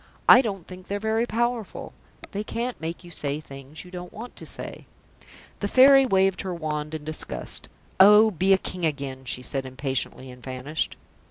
I don't think they're very powerful. They can't make you say things you don't want to say." The Fairy waved her wand in disgust. "Oh, be a King again," she said impatiently, and vanished.